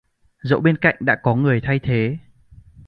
Dẫu bên cạnh đã có người thay thế